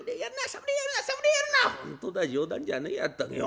「本当だ冗談じゃねえや全くよ。